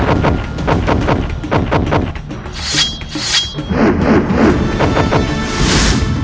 kau harus segera melepaskan diri